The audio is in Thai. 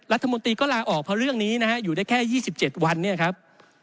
รัฐมนตรีก็ลาออกเพราะเรื่องนี้นะฮะอยู่ได้แค่๒๗วันเนี่ยครับ